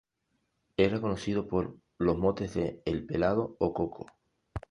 Era conocido por los motes de El "Pelado" o "Coco".